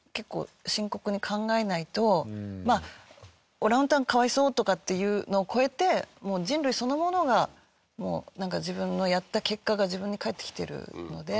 もうホントに「オランウータンかわいそう」とかっていうのを超えて人類そのものがもう自分のやった結果が自分に返ってきてるので。